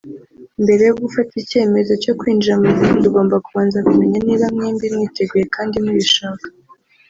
Mbere yo gufata icyemezo cyo kwinjira mu rukundo ugomba kubanza kumenya niba mwembi mwiteguye kandi mubishaka